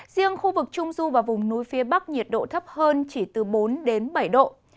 riêng khu vực trung du và vùng núi phía bắc nhiệt độ thấp hơn chỉ từ bốn đến bảy độ